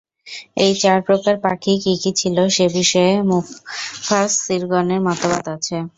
এই চার প্রকার পাখি কি কি ছিল সে বিষয়ে মুফাসসিরগণের মতভেদ আছে।